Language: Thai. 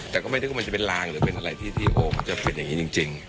แต่ก็ไม่นึกว่ามันจะเป็นลางหรือเป็นอะไรที่โอ้มันจะเป็นอย่างนี้จริง